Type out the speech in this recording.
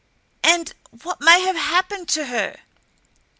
And what may have HAPPENED to her?"